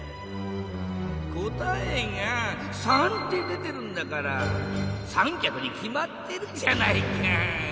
答えが「３」って出てるんだから３きゃくにきまってるじゃないか！